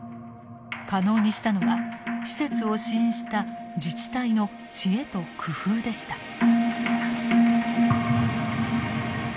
可能にしたのは施設を支援した自治体の知恵と工夫でした。